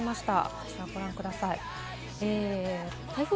こちらをご覧ください。